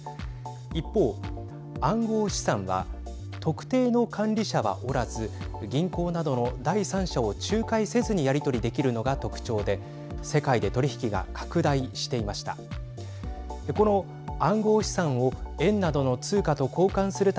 一方、暗号資産は特定の管理者はおらず銀行などの第三者を仲介せずにやり取りできるのが特徴で世界で取り引きが拡大していました。